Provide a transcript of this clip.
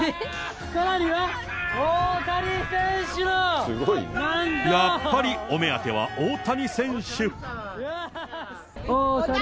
さらには、やっぱりお目当ては大谷選手。